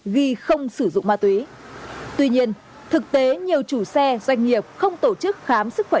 ghi không sử dụng ma túy tuy nhiên thực tế nhiều chủ xe doanh nghiệp không tổ chức khám sức khỏe